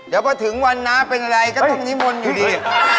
เดี๋ยวพอถึงวันน้าเป็นอะไรก็ต้องนิมนต์อยู่ดี